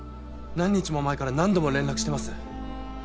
何日も前から何度も連絡してます。